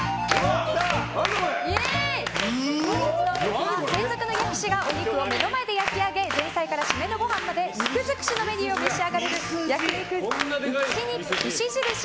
本日のお肉は、専属の焼き師がお肉を目の前で焼き上げ前菜から締めのごはんまで肉尽くしのメニューを召し上がれる焼肉牛印